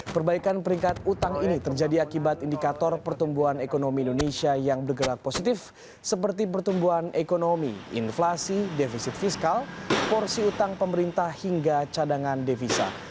perbaikan peringkat utang ini terjadi akibat indikator pertumbuhan ekonomi indonesia yang bergerak positif seperti pertumbuhan ekonomi inflasi defisit fiskal porsi utang pemerintah hingga cadangan devisa